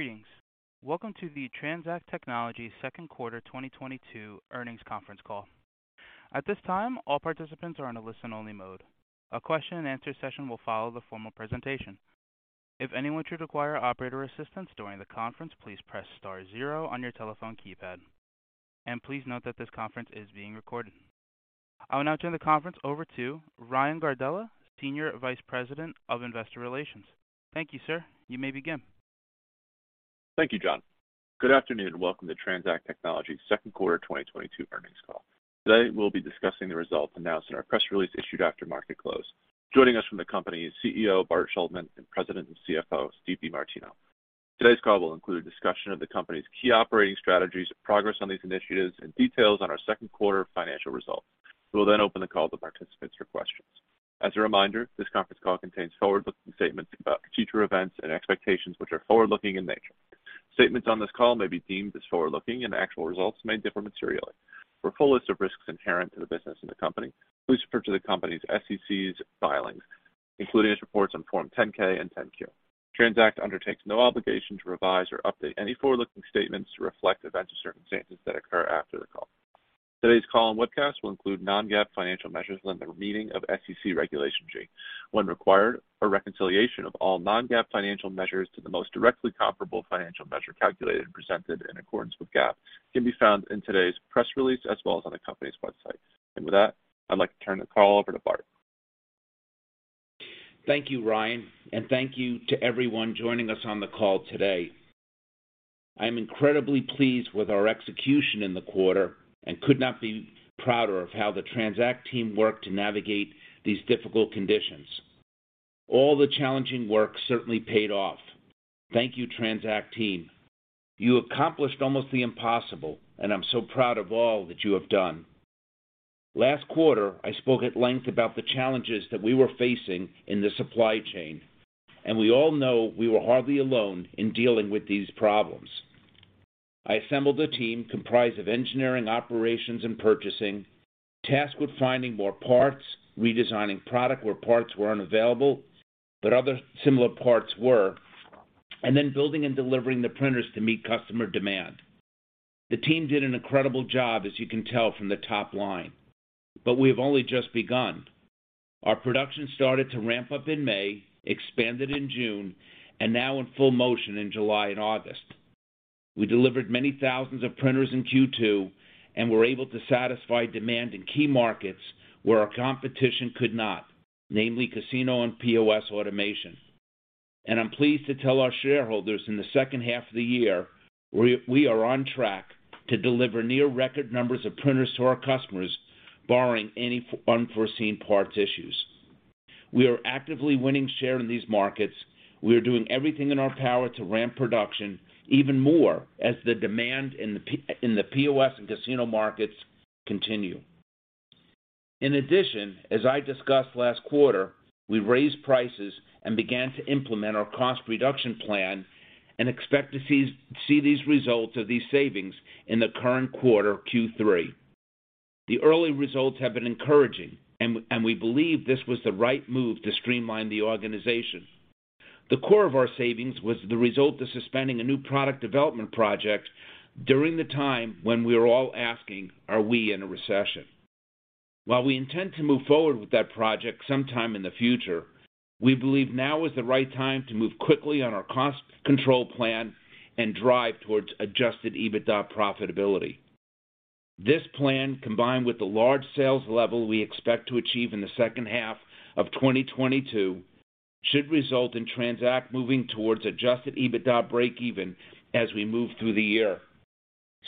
Greetings. Welcome to the TransAct Technologies second quarter 2022 earnings conference call. At this time, all participants are on a listen-only mode. A question-and-answer session will follow the formal presentation. If anyone should require operator assistance during the conference, please press star zero on your telephone keypad. Please note that this conference is being recorded. I will now turn the conference over to Ryan Gardella, Senior Vice President of Investor Relations. Thank you, sir. You may begin. Thank you, John. Good afternoon, and welcome to TransAct Technologies second quarter 2022 earnings call. Today we'll be discussing the results announced in our press release issued after market close. Joining us from the company is CEO, Bart Shuldman, and President and CFO, Steve DeMartino. Today's call will include a discussion of the company's key operating strategies, progress on these initiatives and details on our second quarter financial results. We will then open the call to participants for questions. As a reminder, this conference call contains forward-looking statements about future events and expectations which are forward-looking in nature. Statements on this call may be deemed as forward-looking, and actual results may differ materially. For a full list of risks inherent to the business and the company, please refer to the company's SEC filings, including its reports on Form 10-K and 10-Q. TransAct undertakes no obligation to revise or update any forward-looking statements to reflect events or circumstances that occur after the call. Today's call and webcast will include non-GAAP financial measures within the meaning of SEC Regulation G. When required, a reconciliation of all non-GAAP financial measures to the most directly comparable financial measure calculated and presented in accordance with GAAP can be found in today's press release as well as on the company's website. With that, I'd like to turn the call over to Bart. Thank you, Ryan, and thank you to everyone joining us on the call today. I'm incredibly pleased with our execution in the quarter and could not be prouder of how the TransAct team worked to navigate these difficult conditions. All the challenging work certainly paid off. Thank you, TransAct team. You accomplished almost the impossible, and I'm so proud of all that you have done. Last quarter, I spoke at length about the challenges that we were facing in the supply chain, and we all know we were hardly alone in dealing with these problems. I assembled a team comprised of engineering, operations, and purchasing, tasked with finding more parts, redesigning product where parts were unavailable, but other similar parts were, and then building and delivering the printers to meet customer demand. The team did an incredible job, as you can tell from the top line, but we have only just begun. Our production started to ramp up in May, expanded in June, and now in full motion in July and August. We delivered many thousands of printers in Q2 and were able to satisfy demand in key markets where our competition could not, namely casino and POS automation. I'm pleased to tell our shareholders in the second half of the year, we are on track to deliver near record numbers of printers to our customers, barring any unforeseen parts issues. We are actively winning share in these markets. We are doing everything in our power to ramp production even more as the demand in the POS and casino markets continue. In addition, as I discussed last quarter, we raised prices and began to implement our cost reduction plan and expect to see these results of these savings in the current quarter, Q3. The early results have been encouraging, and we believe this was the right move to streamline the organization. The core of our savings was the result of suspending a new product development project during the time when we were all asking, "Are we in a recession?" While we intend to move forward with that project sometime in the future, we believe now is the right time to move quickly on our cost control plan and drive towards adjusted EBITDA profitability. This plan, combined with the large sales level we expect to achieve in the second half of 2022, should result in TransAct moving towards adjusted EBITDA breakeven as we move through the year.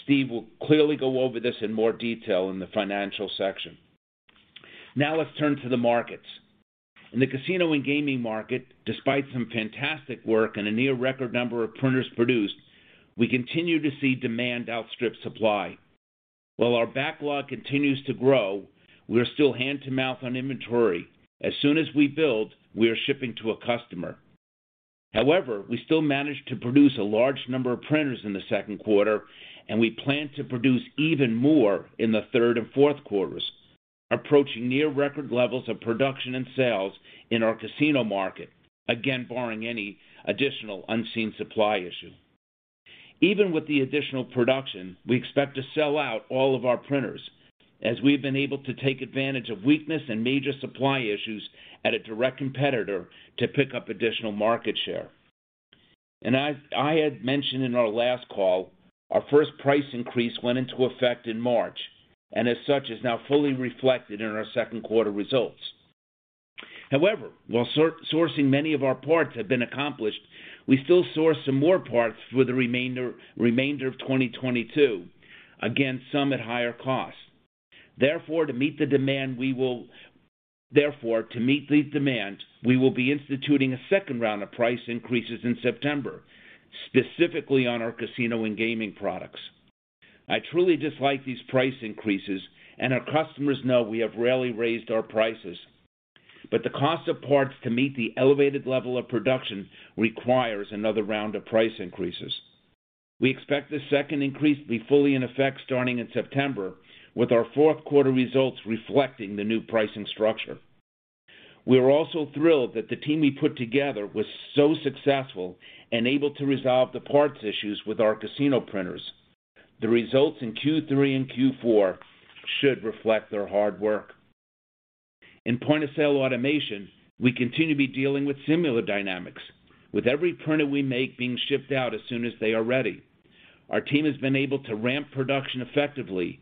Steve will clearly go over this in more detail in the financial section. Now let's turn to the markets. In the casino and gaming market, despite some fantastic work and a near record number of printers produced, we continue to see demand outstrip supply. While our backlog continues to grow, we are still hand-to-mouth on inventory. As soon as we build, we are shipping to a customer. However, we still managed to produce a large number of printers in the second quarter, and we plan to produce even more in the third and fourth quarters, approaching near record levels of production and sales in our casino market. Again, barring any additional unseen supply issue. Even with the additional production, we expect to sell out all of our printers as we've been able to take advantage of weakness and major supply issues at a direct competitor to pick up additional market share. As I had mentioned in our last call, our first price increase went into effect in March, and as such, is now fully reflected in our second quarter results. However, while sourcing many of our parts have been accomplished, we still source some more parts for the remainder of 2022. Again, some at higher cost. Therefore, to meet the demand, we will be instituting a second round of price increases in September, specifically on our casino and gaming products. I truly dislike these price increases, and our customers know we have rarely raised our prices. The cost of parts to meet the elevated level of production requires another round of price increases. We expect the second increase to be fully in effect starting in September, with our fourth quarter results reflecting the new pricing structure. We're also thrilled that the team we put together was so successful and able to resolve the parts issues with our casino printers. The results in Q3 and Q4 should reflect their hard work. In point-of-sale automation, we continue to be dealing with similar dynamics, with every printer we make being shipped out as soon as they are ready. Our team has been able to ramp production effectively,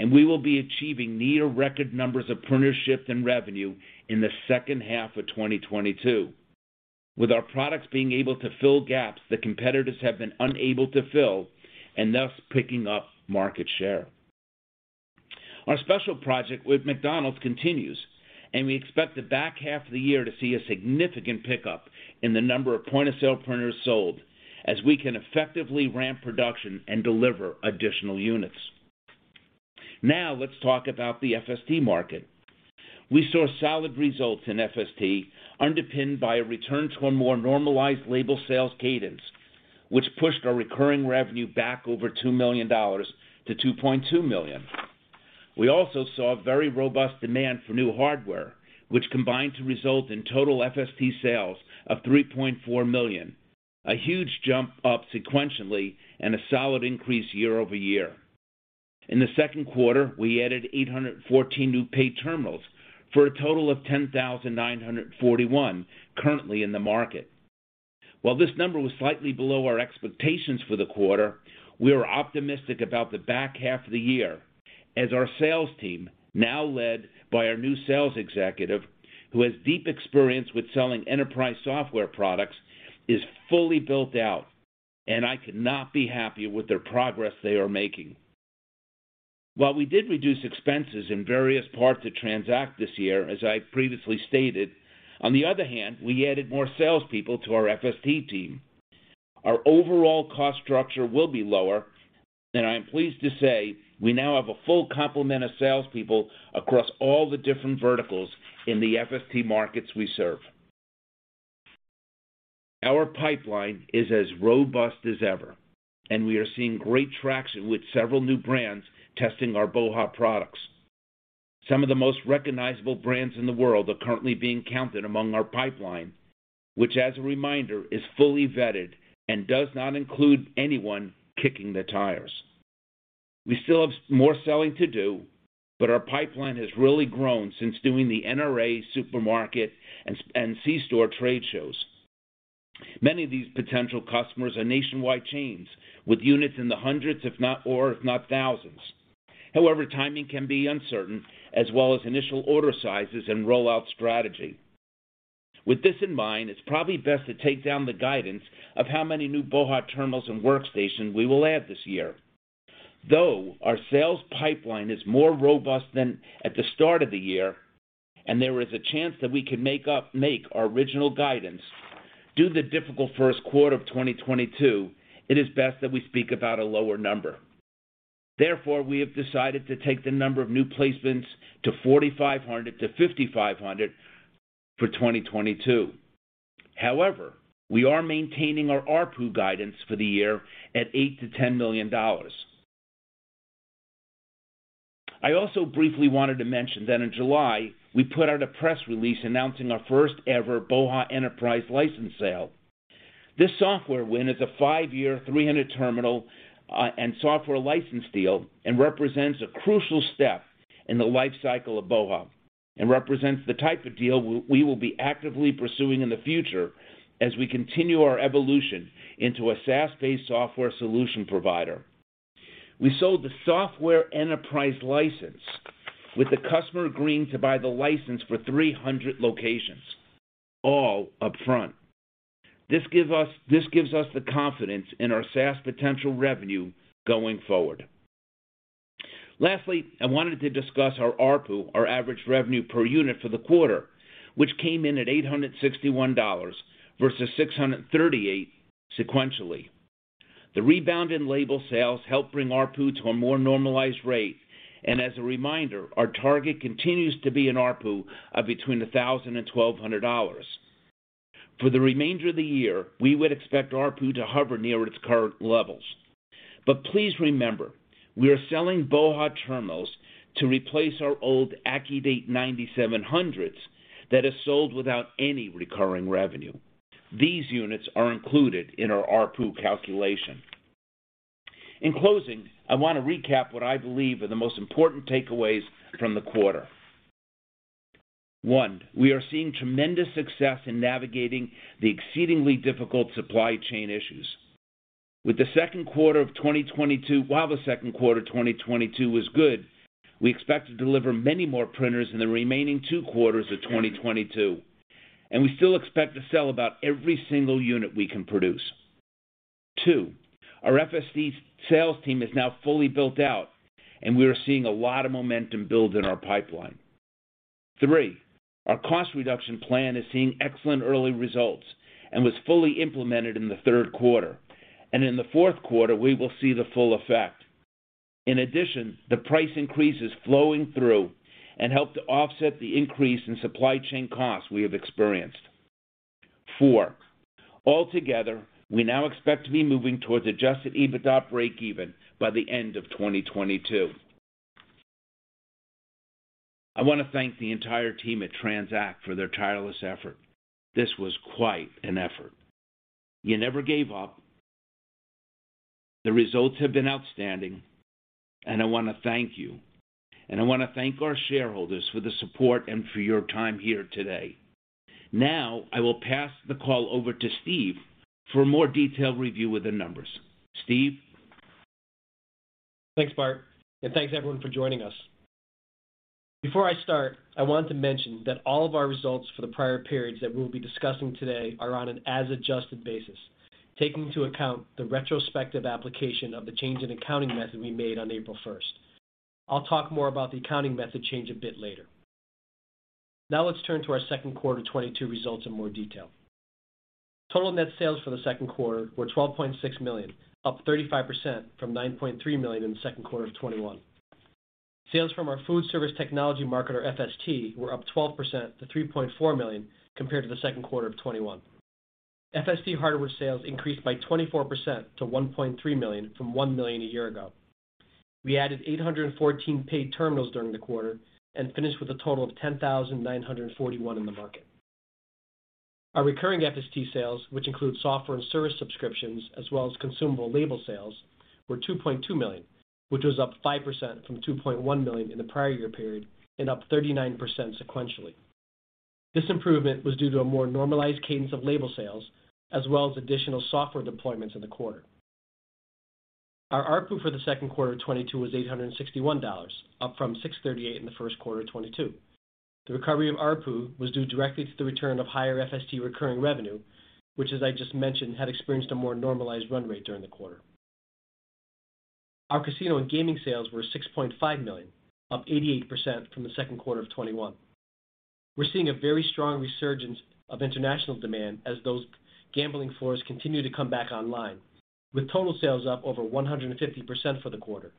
and we will be achieving near record numbers of printer shipped and revenue in the second half of 2022, with our products being able to fill gaps that competitors have been unable to fill and thus picking up market share. Our special project with McDonald's continues, and we expect the back half of the year to see a significant pickup in the number of point-of-sale printers sold as we can effectively ramp production and deliver additional units. Now let's talk about the FST market. We saw solid results in FST, underpinned by a return to a more normalized label sales cadence, which pushed our recurring revenue back over $2 million to $2.2 million. We also saw a very robust demand for new hardware which combined to result in total FST sales of $3.4 million, a huge jump up sequentially and a solid increase year-over-year. In the second quarter, we added 814 new pay terminals for a total of 10,941 currently in the market. While this number was slightly below our expectations for the quarter, we are optimistic about the back half of the year as our sales team, now led by our new sales executive, who has deep experience with selling enterprise software products, is fully built out and I could not be happier with their progress they are making. While we did reduce expenses in various parts of TransAct this year, as I previously stated, on the other hand, we added more salespeople to our FST team. Our overall cost structure will be lower, and I am pleased to say we now have a full complement of salespeople across all the different verticals in the FST markets we serve. Our pipeline is as robust as ever, and we are seeing great traction with several new brands testing our BOHA! products. Some of the most recognizable brands in the world are currently being counted among our pipeline, which as a reminder, is fully vetted and does not include anyone kicking the tires. We still have more selling to do, but our pipeline has really grown since doing the NRA supermarket and C-store trade shows. Many of these potential customers are nationwide chains with units in the hundreds, if not thousands. However, timing can be uncertain as well as initial order sizes and rollout strategy. With this in mind, it's probably best to take down the guidance of how many new BOHA! terminals and workstations we will add this year. Though our sales pipeline is more robust than at the start of the year, and there is a chance that we could make our original guidance, due to the difficult first quarter of 2022, it is best that we speak about a lower number. Therefore, we have decided to take the number of new placements to 4,500 to 5,500 for 2022. However, we are maintaining our ARPU guidance for the year at $8 million-$10 million. I also briefly wanted to mention that in July, we put out a press release announcing our first ever BOHA! Enterprise license sale. This software win is a five-year, 300-terminal and software license deal and represents a crucial step in the life cycle of BOHA! and represents the type of deal we will be actively pursuing in the future as we continue our evolution into a SaaS-based software solution provider. We sold the software enterprise license with the customer agreeing to buy the license for 300 locations all upfront. This gives us the confidence in our SaaS potential revenue going forward. Lastly, I wanted to discuss our ARPU, our average revenue per unit for the quarter, which came in at $861 versus $638 sequentially. The rebound in label sales helped bring ARPU to a more normalized rate, and as a reminder, our target continues to be an ARPU of between $1,000 and $1,200. For the remainder of the year, we would expect ARPU to hover near its current levels. Please remember, we are selling BOHA! terminals to replace our old AccuDate 9700 that is sold without any recurring revenue. These units are included in our ARPU calculation. In closing, I want to recap what I believe are the most important takeaways from the quarter. One, we are seeing tremendous success in navigating the exceedingly difficult supply chain issues. While the second quarter of 2022 was good, we expect to deliver many more printers in the remaining two quarters of 2022, and we still expect to sell about every single unit we can produce. Two, our FST sales team is now fully built out, and we are seeing a lot of momentum build in our pipeline. Three, our cost reduction plan is seeing excellent early results and was fully implemented in the third quarter. In the fourth quarter, we will see the full effect. In addition, the price increase is flowing through and help to offset the increase in supply chain costs we have experienced. Four, altogether, we now expect to be moving towards adjusted EBITDA breakeven by the end of 2022. I want to thank the entire team at TransAct for their tireless effort. This was quite an effort. You never gave up. The results have been outstanding, and I want to thank you, and I want to thank our shareholders for the support and for your time here today. Now, I will pass the call over to Steve for a more detailed review of the numbers. Steve? Thanks, Bart, and thanks everyone for joining us. Before I start, I want to mention that all of our results for the prior periods that we will be discussing today are on an as-adjusted basis, taking into account the retrospective application of the change in accounting method we made on April 1st. I'll talk more about the accounting method change a bit later. Now let's turn to our second quarter 2022 results in more detail. Total net sales for the second quarter were $12.6 million, up 35% from $9.3 million in the second quarter of 2021. Sales from our food service technology market, or FST, were up 12% to $3.4 million compared to the second quarter of 2021. FST hardware sales increased by 24% to $1.3 million from $1 million a year ago. We added 814 paid terminals during the quarter and finished with a total of 10,941 in the market. Our recurring FST sales, which include software and service subscriptions, as well as consumable label sales, were $2.2 million, which was up 5% from $2.1 million in the prior year period and up 39% sequentially. This improvement was due to a more normalized cadence of label sales as well as additional software deployments in the quarter. Our ARPU for the second quarter of 2022 was $861, up from $638 in the first quarter of 2022. The recovery of ARPU was due directly to the return of higher FST recurring revenue, which, as I just mentioned, had experienced a more normalized run rate during the quarter. Our casino and gaming sales were $6.5 million, up 88% from the second quarter of 2021. We're seeing a very strong resurgence of international demand as those gambling floors continue to come back online, with total sales up over 150% for the quarter.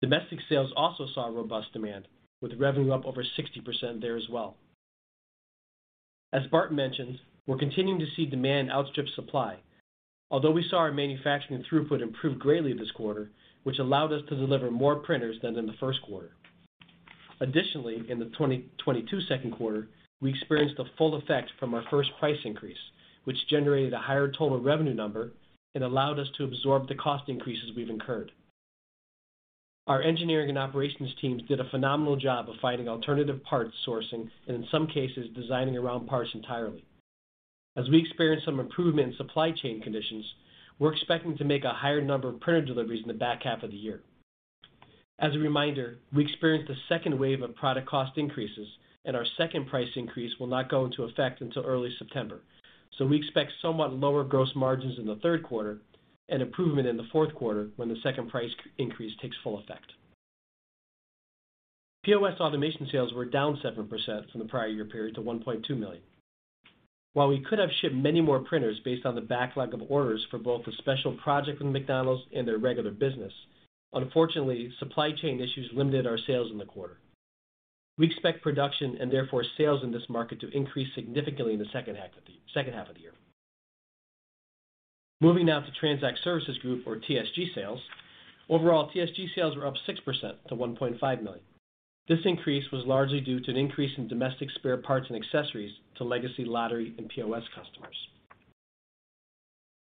Domestic sales also saw robust demand, with revenue up over 60% there as well. As Bart mentioned, we're continuing to see demand outstrip supply. Although we saw our manufacturing throughput improve greatly this quarter, which allowed us to deliver more printers than in the first quarter. Additionally, in the 2022 second quarter, we experienced the full effect from our first price increase, which generated a higher total revenue number and allowed us to absorb the cost increases we've incurred. Our engineering and operations teams did a phenomenal job of finding alternative parts sourcing and in some cases, designing around parts entirely. As we experience some improvement in supply chain conditions, we're expecting to make a higher number of printer deliveries in the back half of the year. As a reminder, we experienced a second wave of product cost increases, and our second price increase will not go into effect until early September. We expect somewhat lower gross margins in the third quarter and improvement in the fourth quarter when the second price increase takes full effect. POS automation sales were down 7% from the prior year period to $1.2 million. While we could have shipped many more printers based on the backlog of orders for both the special project with McDonald's and their regular business, unfortunately, supply chain issues limited our sales in the quarter. We expect production and therefore sales in this market to increase significantly in the second half of the year. Moving now to TransAct Services Group or TSG sales. Overall, TSG sales were up 6% to $1.5 million. This increase was largely due to an increase in domestic spare parts and accessories to legacy lottery and POS customers.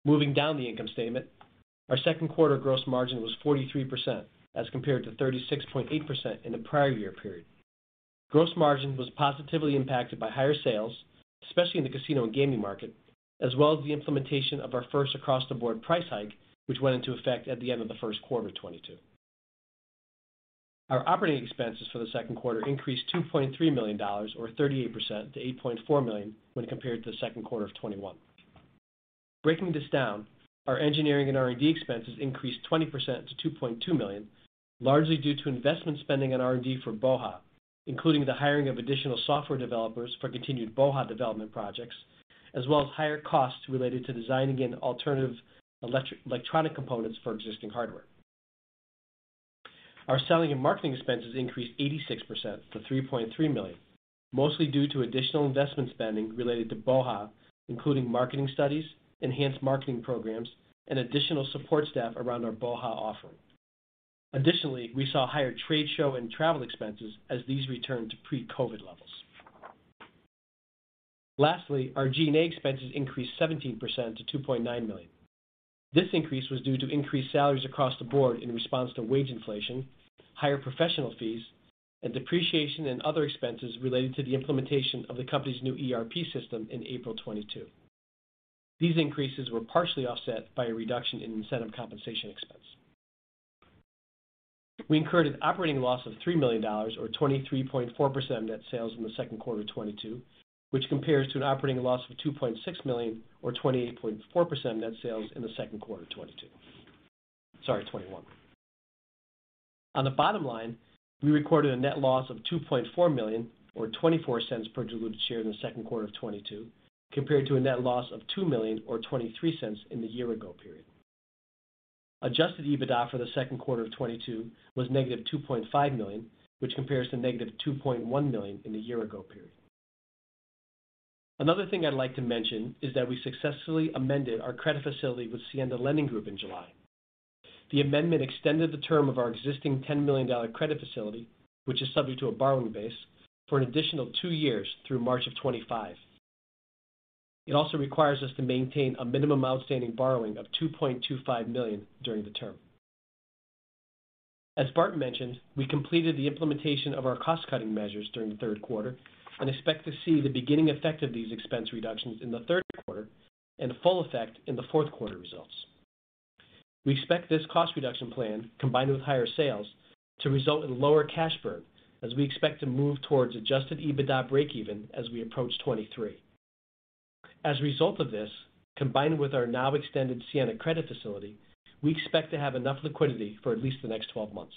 Moving down the income statement, our second quarter gross margin was 43% as compared to 36.8% in the prior year period. Gross margin was positively impacted by higher sales, especially in the casino and gaming market, as well as the implementation of our first across-the-board price hike, which went into effect at the end of the first quarter of 2022. Our operating expenses for the second quarter increased $2.3 million or 38% to $8.4 million when compared to the second quarter of 2021. Breaking this down, our engineering and R&D expenses increased 20% to $2.2 million, largely due to investment spending on R&D for BOHA!, including the hiring of additional software developers for continued BOHA! development projects, as well as higher costs related to designing alternative electronic components for existing hardware. Our selling and marketing expenses increased 86% to $3.3 million, mostly due to additional investment spending related to BOHA!, including marketing studies, enhanced marketing programs, and additional support staff around our BOHA! offering. Additionally, we saw higher trade show and travel expenses as these returned to pre-COVID levels. Lastly, our G&A expenses increased 17% to $2.9 million. This increase was due to increased salaries across the board in response to wage inflation, higher professional fees, and depreciation and other expenses related to the implementation of the company's new ERP system in April 2022. These increases were partially offset by a reduction in incentive compensation expense. We incurred an operating loss of $3 million or 23.4% of net sales in the second quarter of 2022, which compares to an operating loss of $2.6 million or 28.4% of net sales in the second quarter of 2022. Sorry, 2021. On the bottom line, we recorded a net loss of $2.4 million or $0.24 per diluted share in the second quarter of 2022, compared to a net loss of $2 million or $0.23 in the year-ago period. Adjusted EBITDA for the second quarter of 2022 was -$2.5 million, which compares to -$2.1 million in the year-ago period. Another thing I'd like to mention is that we successfully amended our credit facility with Siena Lending Group in July. The amendment extended the term of our existing $10 million credit facility, which is subject to a borrowing base, for an additional two years through March of 2025. It also requires us to maintain a minimum outstanding borrowing of $2.25 million during the term. As Bart mentioned, we completed the implementation of our cost-cutting measures during the third quarter and expect to see the beginning effect of these expense reductions in the third quarter and a full effect in the fourth quarter results. We expect this cost reduction plan, combined with higher sales, to result in lower cash burn as we expect to move towards adjusted EBITDA breakeven as we approach 2023. As a result of this, combined with our now extended Siena credit facility, we expect to have enough liquidity for at least the next 12 months.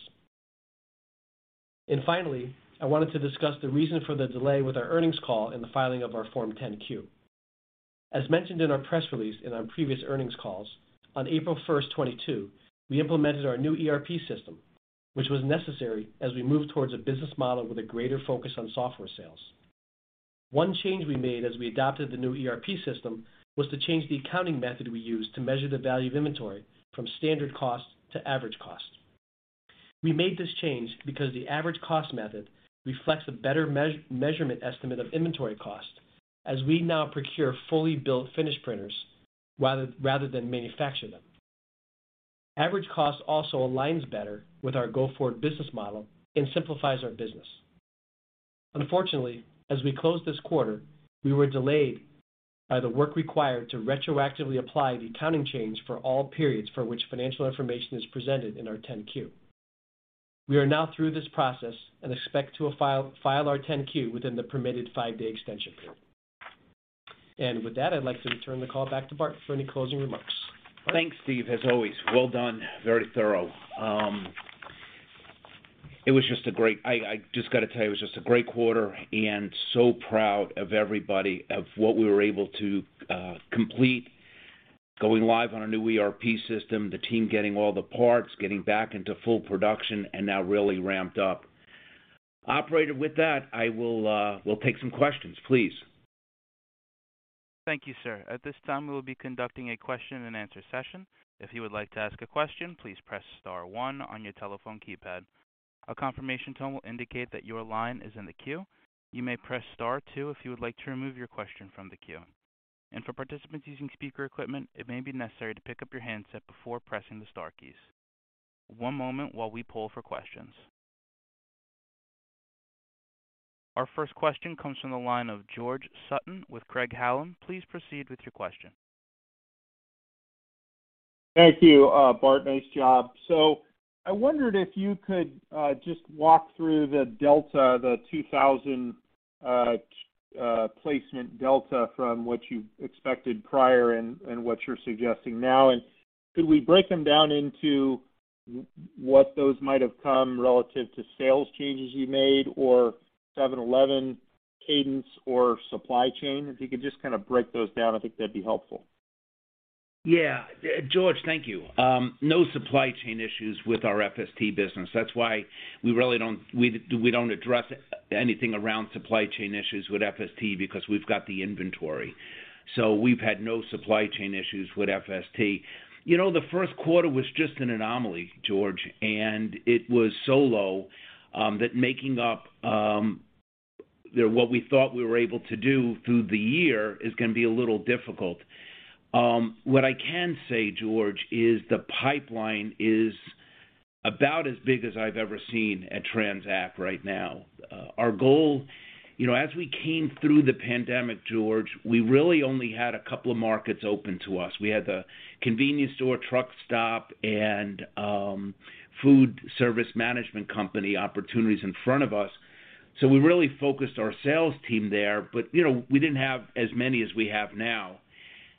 Finally, I wanted to discuss the reason for the delay with our earnings call in the filing of our Form 10-Q. As mentioned in our press release in our previous earnings calls, on April 1, 2022, we implemented our new ERP system, which was necessary as we moved towards a business model with a greater focus on software sales. One change we made as we adopted the new ERP system was to change the accounting method we use to measure the value of inventory from standard cost to average cost. We made this change because the average cost method reflects a better measurement estimate of inventory cost as we now procure fully built finished printers rather than manufacture them. Average cost also aligns better with our go-forward business model and simplifies our business. Unfortunately, as we closed this quarter, we were delayed by the work required to retroactively apply the accounting change for all periods for which financial information is presented in our 10-Q. We are now through this process and expect to file our 10-Q within the permitted five-day extension period. With that, I'd like to turn the call back to Bart for any closing remarks. Bart? Thanks, Steve. As always, well done. Very thorough. I just got to tell you, it was just a great quarter and so proud of everybody for what we were able to complete, going live on a new ERP system, the team getting all the parts, getting back into full production, and now really ramped up. Operator, with that, we'll take some questions, please. Thank you, sir. At this time, we will be conducting a question-and-answer session. If you would like to ask a question, please press star one on your telephone keypad. A confirmation tone will indicate that your line is in the queue. You may press star two if you would like to remove your question from the queue. For participants using speaker equipment, it may be necessary to pick up your handset before pressing the star keys. One moment while we poll for questions. Our first question comes from the line of George Sutton with Craig-Hallum. Please proceed with your question. Thank you, Bart. Nice job. I wondered if you could just walk through the delta, the 2,000 placement delta from what you expected prior and what you're suggesting now. Could we break them down into what those might have come relative to sales changes you made or 7-Eleven cadence or supply chain? If you could just kind of break those down, I think that'd be helpful. Yeah. George, thank you. No supply chain issues with our FST business. That's why we really don't address anything around supply chain issues with FST because we've got the inventory. We've had no supply chain issues with FST. You know, the first quarter was just an anomaly, George, and it was so low that making up what we thought we were able to do through the year is gonna be a little difficult. What I can say, George, is the pipeline is about as big as I've ever seen at TransAct right now. You know, as we came through the pandemic, George, we really only had a couple of markets open to us. We had the convenience store, truck stop, and food service management company opportunities in front of us. We really focused our sales team there, but, you know, we didn't have as many as we have now.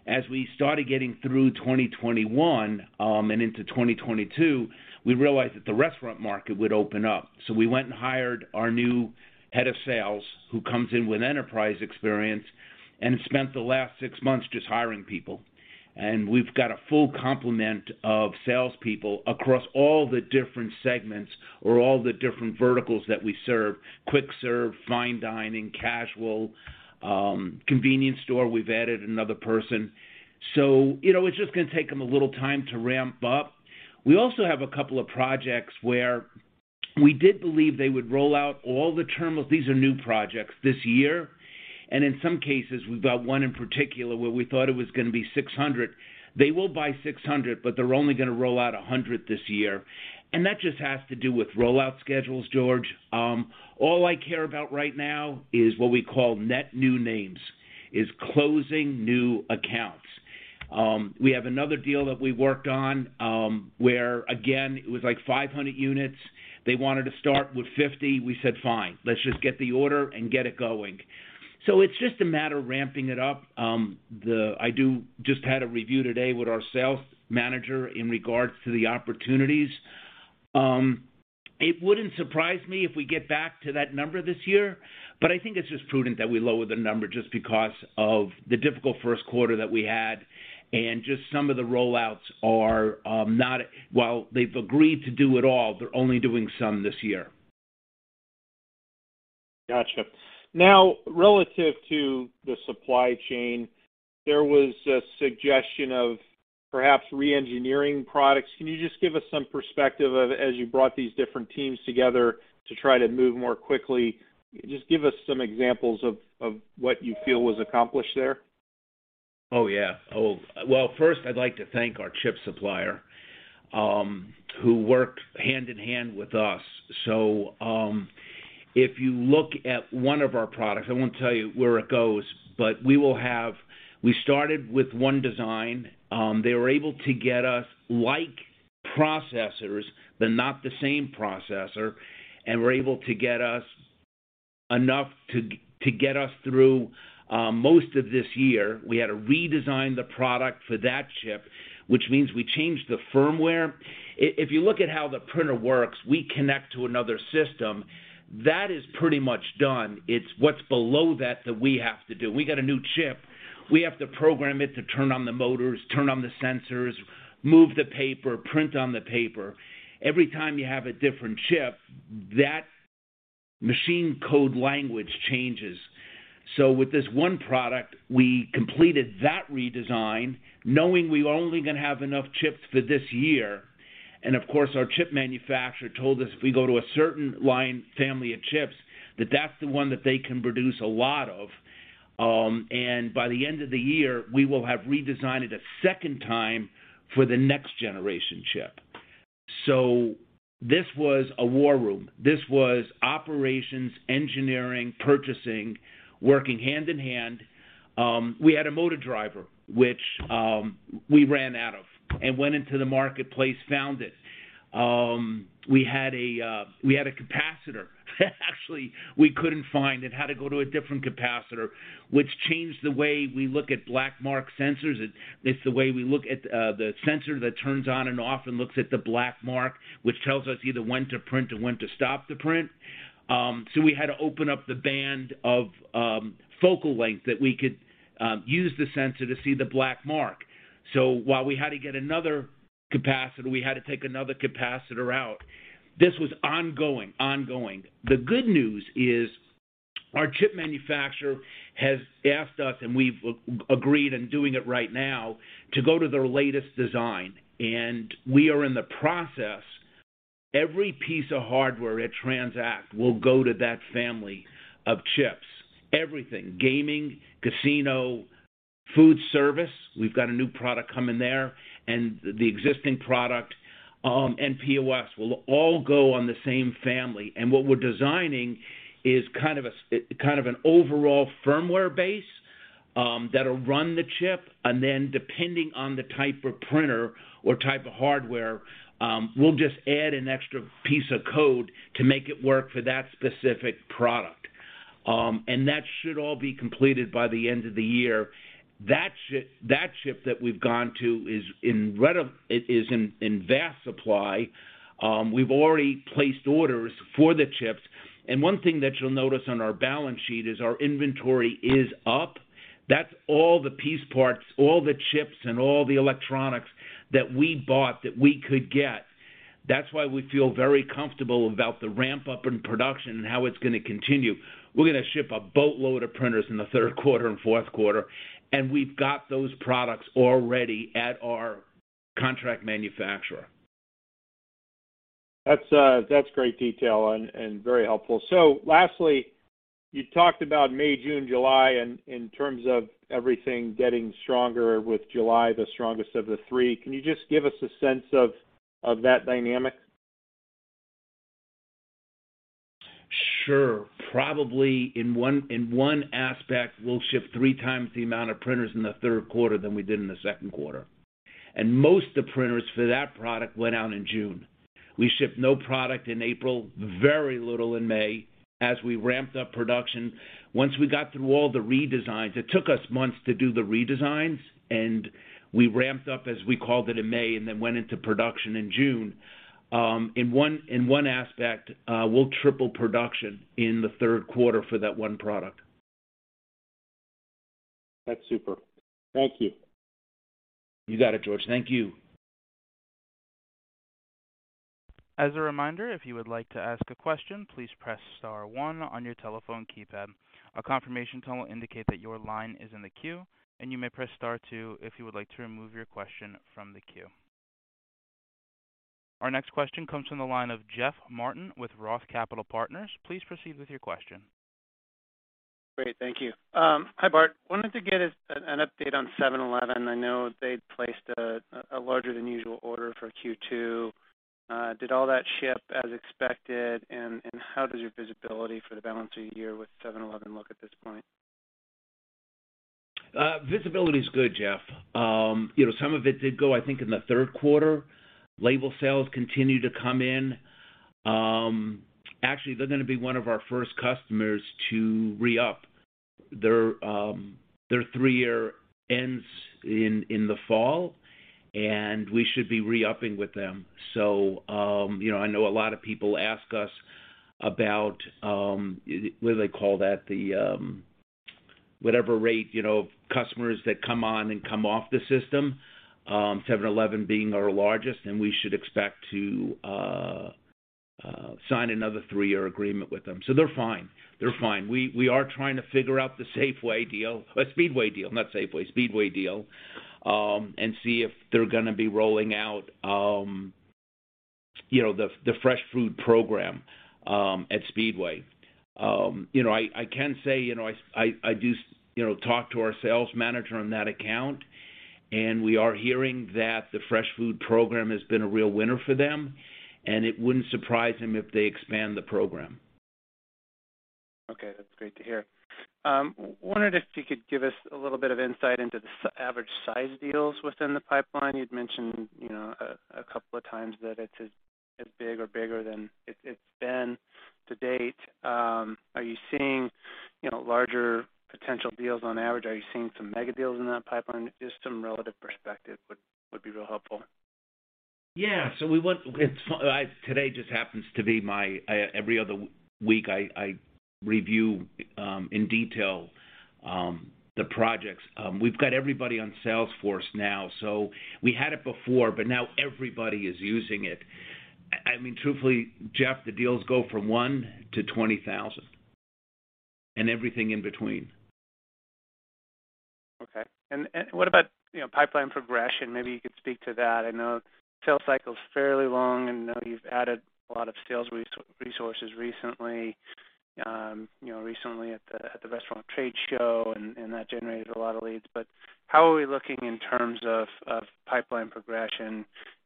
As we started getting through 2021 and into 2022, we realized that the restaurant market would open up. We went and hired our new head of sales who comes in with enterprise experience and spent the last six months just hiring people. We've got a full complement of salespeople across all the different segments or all the different verticals that we serve, quick serve, fine dining, casual, convenience store, we've added another person. You know, it's just gonna take them a little time to ramp up. We also have a couple of projects where we did believe they would roll out all the terminals, these are new projects this year. In some cases, we've got one in particular where we thought it was gonna be 600. They will buy 600, but they're only gonna roll out 100 this year. That just has to do with rollout schedules, George. All I care about right now is what we call net new names, is closing new accounts. We have another deal that we worked on, where again, it was like 500 units. They wanted to start with 50. We said, "Fine. Let's just get the order and get it going." It's just a matter of ramping it up. I just had a review today with our sales manager in regards to the opportunities. It wouldn't surprise me if we get back to that number this year, but I think it's just prudent that we lower the number just because of the difficult first quarter that we had and just some of the rollouts are— Well, they've agreed to do it all. They're only doing some this year. Gotcha. Now, relative to the supply chain, there was a suggestion of perhaps re-engineering products. Can you just give us some perspective of as you brought these different teams together to try to move more quickly? Just give us some examples of what you feel was accomplished there? Oh, yeah. Oh, well, first, I'd like to thank our chip supplier, who worked hand-in-hand with us. If you look at one of our products, I won't tell you where it goes, but we will have. We started with one design. They were able to get us like processors, but not the same processor, and were able to get us— enough to get us through most of this year. We had to redesign the product for that chip, which means we changed the firmware. If you look at how the printer works, we connect to another system. That is pretty much done. It's what's below that we have to do. We got a new chip. We have to program it to turn on the motors, turn on the sensors, move the paper, print on the paper. Every time you have a different chip, that machine code language changes. With this one product, we completed that redesign knowing we're only gonna have enough chips for this year. Of course, our chip manufacturer told us if we go to a certain line family of chips, that's the one that they can produce a lot of. By the end of the year, we will have redesigned it a second time for the next generation chip. This was a war room. This was operations, engineering, purchasing, working hand-in-hand. We had a motor driver, which we ran out of and went into the marketplace, found it. We had a capacitor. Actually, we couldn't find it. It had to go to a different capacitor, which changed the way we look at black mark sensors. It's the way we look at the sensor that turns on and off and looks at the black mark, which tells us either when to print or when to stop the print. We had to open up the band of focal length that we could use the sensor to see the black mark. While we had to get another capacitor, we had to take another capacitor out. This was ongoing. The good news is our chip manufacturer has asked us, and we've agreed in doing it right now to go to their latest design, and we are in the process. Every piece of hardware at TransAct will go to that family of chips. Everything, gaming, casino, food service, we've got a new product coming there, and the existing product, and POS will all go on the same family. What we're designing is kind of an overall firmware base that'll run the chip, and then depending on the type of printer or type of hardware, we'll just add an extra piece of code to make it work for that specific product. That should all be completed by the end of the year. That chip that we've gone to is in vast supply. We've already placed orders for the chips. One thing that you'll notice on our balance sheet is our inventory is up. That's all the piece parts, all the chips and all the electronics that we bought that we could get. That's why we feel very comfortable about the ramp-up in production and how it's gonna continue. We're gonna ship a boatload of printers in the third quarter and fourth quarter, and we've got those products already at our contract manufacturer. That's, that's great detail and very helpful. Lastly, you talked about May, June, July in terms of everything getting stronger with July the strongest of the three. Can you just give us a sense of that dynamic? Sure. Probably in one aspect, we'll ship three times the amount of printers in the third quarter than we did in the second quarter. Most of the printers for that product went out in June. We shipped no product in April, very little in May, as we ramped up production. Once we got through all the redesigns, it took us months to do the redesigns, and we ramped up as we called it in May and then went into production in June. In one aspect, we'll triple production in the third quarter for that one product. That's super. Thank you. You got it, George. Thank you. As a reminder, if you would like to ask a question, please press star one on your telephone keypad. A confirmation tone will indicate that your line is in the queue, and you may press star two if you would like to remove your question from the queue. Our next question comes from the line of Jeff Martin with Roth Capital Partners. Please proceed with your question. Great. Thank you. Hi, Bart. Wanted to get an update on 7-Eleven. I know they placed a larger-than-usual order for Q2. Did all that ship as expected? How does your visibility for the balance of the year with 7-Eleven look at this point? Visibility is good, Jeff. You know, some of it did go, I think, in the third quarter. Label sales continue to come in. Actually, they're gonna be one of our first customers to re-up their three-year ends in the fall, and we should be re-upping with them. You know, I know a lot of people ask us about what do they call that? The whatever rate, you know, customers that come on and come off the system, 7-Eleven being our largest, and we should expect to sign another three-year agreement with them. They're fine. We are trying to figure out the Safeway deal. Speedway deal, not Safeway, Speedway deal, and see if they're gonna be rolling out you know, the fresh food program at Speedway. You know, I can say, you know, I do talk to our sales manager on that account, and we are hearing that the fresh food program has been a real winner for them, and it wouldn't surprise him if they expand the program. Okay, that's great to hear. Wondered if you could give us a little bit of insight into the average size deals within the pipeline. You'd mentioned, you know, a couple of times that it's as big or bigger than it's been to date. Are you seeing, you know, larger potential deals on average? Are you seeing some mega deals in that pipeline? Just some relative perspective would be real helpful. Today just happens to be my every other week. I review in detail the projects. We've got everybody on Salesforce now, so we had it before, but now everybody is using it. I mean, truthfully, Jeff, the deals go from $1-$20,000, and everything in between. Okay. What about, you know, pipeline progression? Maybe you could speak to that. I know sales cycle is fairly long, and I know you've added a lot of sales resources recently, you know, recently at the restaurant trade show, and that generated a lot of leads. How are we looking in terms of pipeline progression?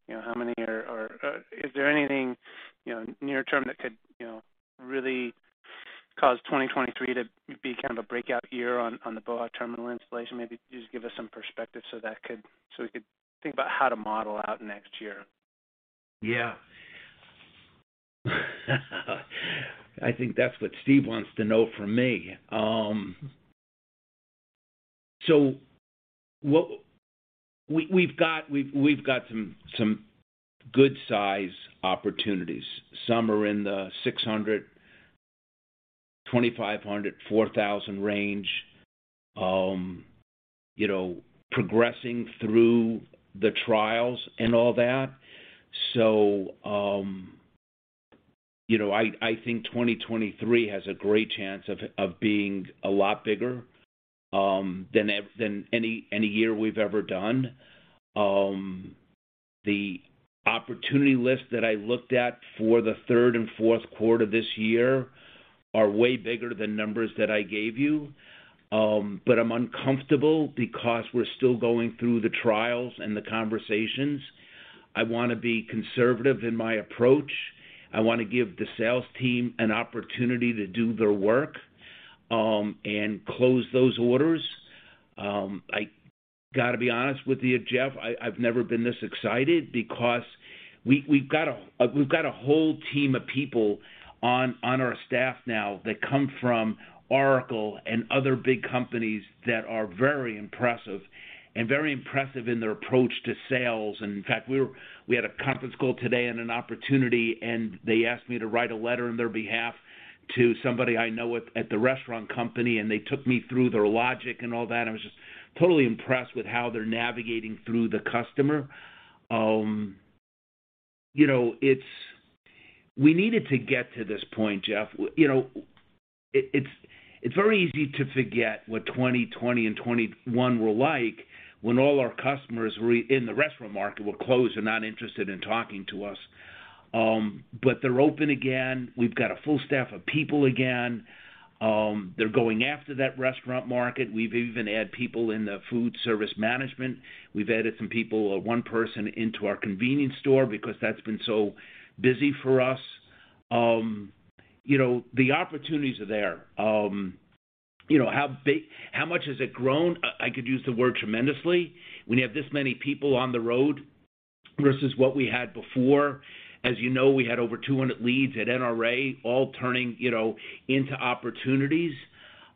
You know, is there anything, you know, near term that could, you know, really cause 2023 to be kind of a breakout year on the BOHA! terminal installation? Maybe just give us some perspective so we could think about how to model out next year. Yeah. I think that's what Steve wants to know from me. We've got some good size opportunities. Some are in the 600, 2,500, 4,000 range, you know, progressing through the trials and all that. I think 2023 has a great chance of being a lot bigger than any year we've ever done. The opportunity list that I looked at for the third and fourth quarter this year are way bigger than numbers that I gave you, but I'm uncomfortable because we're still going through the trials and the conversations. I wanna be conservative in my approach. I wanna give the sales team an opportunity to do their work and close those orders. I gotta be honest with you, Jeff. I've never been this excited because we've got a whole team of people on our staff now that come from Oracle and other big companies that are very impressive in their approach to sales. In fact, we had a conference call today and an opportunity, and they asked me to write a letter on their behalf to somebody I know at the restaurant company, and they took me through their logic and all that. I was just totally impressed with how they're navigating through the customer. You know, we needed to get to this point, Jeff. You know, it's very easy to forget what 2020 and 2021 were like when all our customers in the restaurant market were closed and not interested in talking to us. But they're open again. We've got a full staff of people again. They're going after that restaurant market. We've even added people in the food service management. We've added some people, one person into our convenience store because that's been so busy for us. You know, the opportunities are there. You know, how much has it grown? I could use the word tremendously when you have this many people on the road versus what we had before. As you know, we had over 200 leads at NRA all turning into opportunities.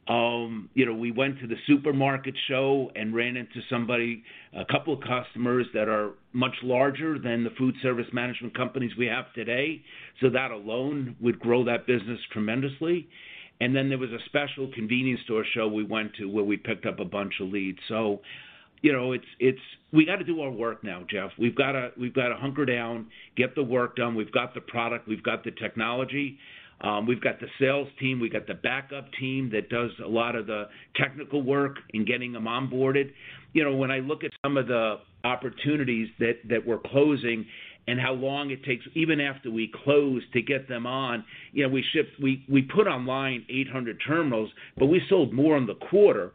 You know, we went to the supermarket show and ran into somebody, a couple of customers that are much larger than the food service management companies we have today. That alone would grow that business tremendously. There was a special convenience store show we went to where we picked up a bunch of leads. You know, it's. We gotta do our work now, Jeff. We've gotta hunker down, get the work done. We've got the product. We've got the technology. We've got the sales team. We've got the backup team that does a lot of the technical work in getting them onboarded. You know, when I look at some of the opportunities that we're closing and how long it takes even after we close to get them on, you know, we put online 800 terminals, but we sold more in the quarter.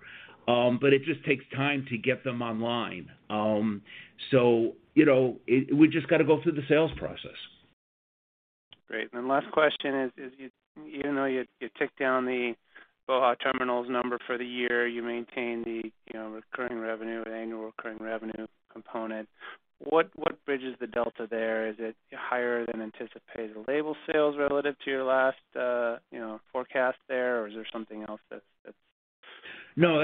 It just takes time to get them online. You know, we just gotta go through the sales process. Great. Then last question is, you know, you took down the BOHA! terminals number for the year. You maintained the, you know, recurring revenue, annual recurring revenue component. What bridges the delta there? Is it higher-than-anticipated label sales relative to your last, you know, forecast there? Or is there something else that's— No,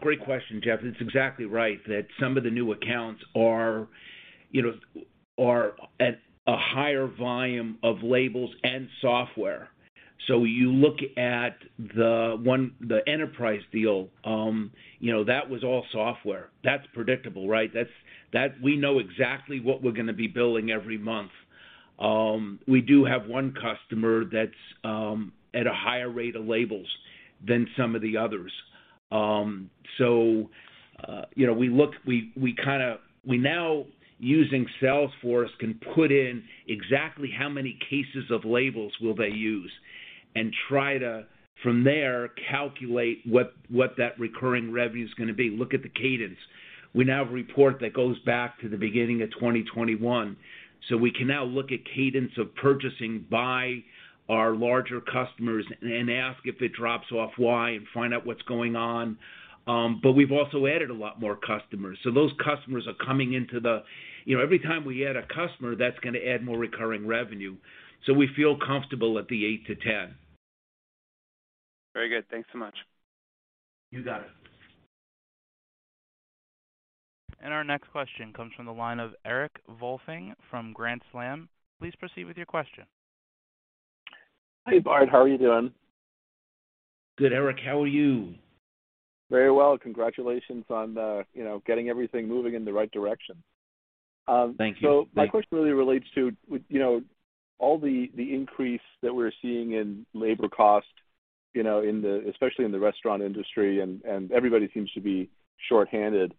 great question, Jeff. It's exactly right that some of the new accounts are, you know, at a higher volume of labels and software. You look at the enterprise deal, you know, that was all software. That's predictable, right? That we know exactly what we're gonna be billing every month. We do have one customer that's at a higher rate of labels than some of the others. You know, we now, using Salesforce, can put in exactly how many cases of labels will they use and try to, from there, calculate what that recurring revenue is gonna be, look at the cadence. We now have a report that goes back to the beginning of 2021, so we can now look at cadence of purchasing by our larger customers and ask if it drops off, why, and find out what's going on. We've also added a lot more customers. Those customers are coming into the, you know, every time we add a customer, that's gonna add more recurring revenue. We feel comfortable at the eight-10. Very good. Thanks so much. You got it. Our next question comes from the line of Eric Volfing from Grand Slam. Please proceed with your question. Hey, Bart. How are you doing? Good, Eric. How are you? Very well. Congratulations on, you know, getting everything moving in the right direction. Thank you. My question really relates to, you know, all the increase that we're seeing in labor cost, you know, especially in the restaurant industry, and everybody seems to be short-handed.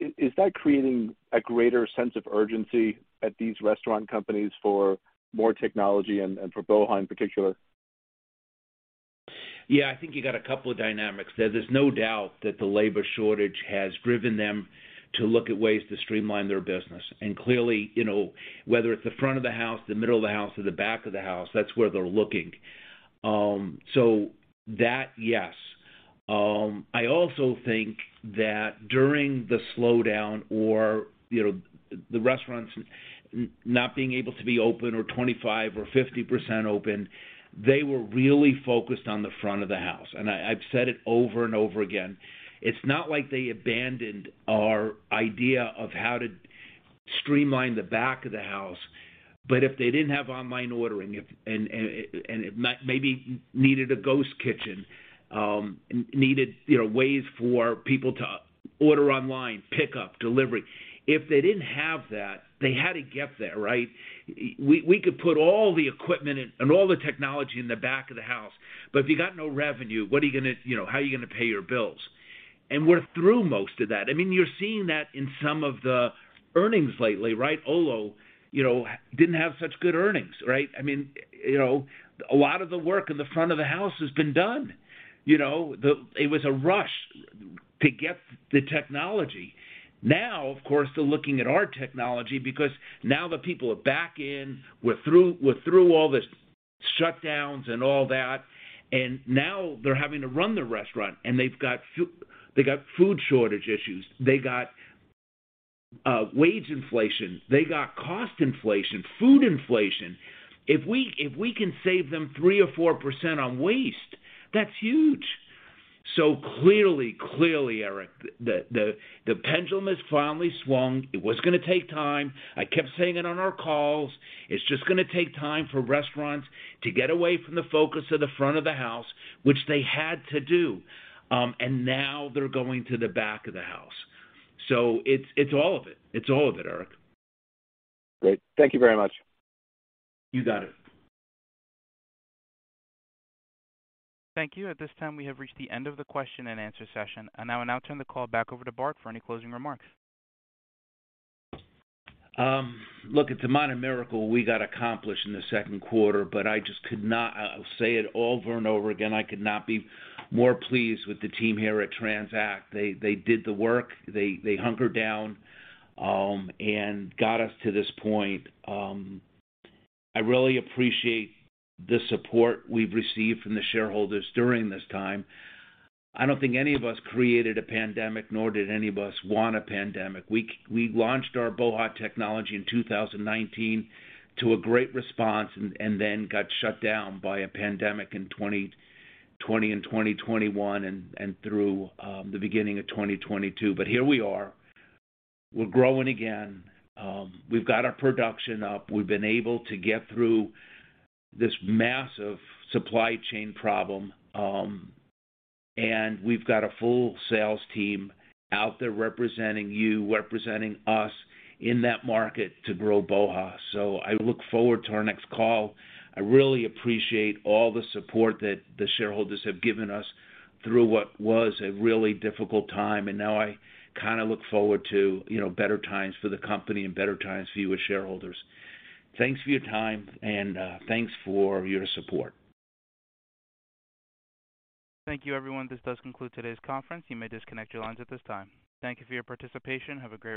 Is that creating a greater sense of urgency at these restaurant companies for more technology and for BOHA! in particular? Yeah. I think you got a couple of dynamics there. There's no doubt that the labor shortage has driven them to look at ways to streamline their business. Clearly, you know, whether it's the front of the house, the middle of the house, or the back of the house, that's where they're looking. That, yes. I also think that during the slowdown or, you know, the restaurants not being able to be open or 25% or 50% open, they were really focused on the front of the house. I've said it over and over again. It's not like they abandoned our idea of how to streamline the back of the house, but if they didn't have online ordering, and maybe needed a ghost kitchen, needed, you know, ways for people to order online, pick up, delivery. If they didn't have that, they had to get there, right? We could put all the equipment and all the technology in the back of the house, but if you got no revenue, what are you gonna, you know, how are you gonna pay your bills? We're through most of that. I mean, you're seeing that in some of the earnings lately, right? Olo, you know, didn't have such good earnings, right? I mean, you know, a lot of the work in the front of the house has been done. You know, it was a rush to get the technology. Now, of course, they're looking at our technology because now the people are back in. We're through all the shutdowns and all that, and now they're having to run the restaurant, and they've got food shortage issues. They got wage inflation. They got cost inflation, food inflation. If we can save them 3% or 4% on waste, that's huge. Clearly, Erik, the pendulum has finally swung. It was gonna take time. I kept saying it on our calls. It's just gonna take time for restaurants to get away from the focus of the front of the house, which they had to do, and now they're going to the back of the house. It's all of it. It's all of it, Erik. Great. Thank you very much. You got it. Thank you. At this time, we have reached the end of the question-and-answer session. I now turn the call back over to Bart for any closing remarks. Look, it's a modern miracle we got accomplished in the second quarter, but I just could not, I'll say it over and over again, I could not be more pleased with the team here at TransAct. They did the work. They hunkered down, and got us to this point. I really appreciate the support we've received from the shareholders during this time. I don't think any of us created a pandemic, nor did any of us want a pandemic. We launched our BOHA! technology in 2019 to a great response and then got shut down by a pandemic in 2020 and 2021 and through the beginning of 2022. Here we are. We're growing again. We've got our production up. We've been able to get through this massive supply chain problem, and we've got a full sales team out there representing you, representing us in that market to grow BOHA!. I look forward to our next call. I really appreciate all the support that the shareholders have given us through what was a really difficult time. Now I kinda look forward to, you know, better times for the company and better times for you as shareholders. Thanks for your time and, thanks for your support. Thank you, everyone. This does conclude today's conference. You may disconnect your lines at this time. Thank you for your participation. Have a great—